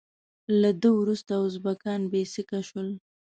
له ده وروسته ازبکان بې سیکه شول.